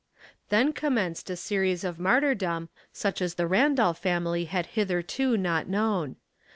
Then commenced a series of martyrdom such as the Randolph family had hitherto not known.